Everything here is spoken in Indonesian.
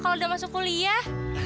kalau udah masuk kuliah